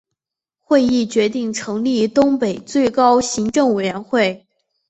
会议决定成立东北最高行政委员会。